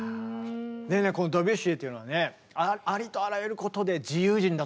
でねこのドビュッシーというのはねありとあらゆることで自由人だったんです。